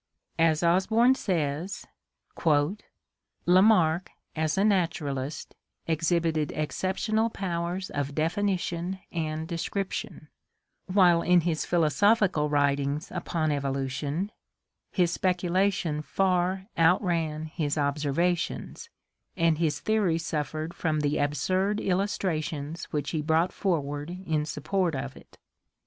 As Osborn says: "Lamarck, as a naturalist, exhibited exceptional powers of definition and description, while in his philosophical writings upon Evolution, his speculation far outran his observations, and his theory suffered from the absurd illustrations which he brought forward in support of it.